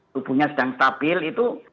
tubuhnya sedang stabil itu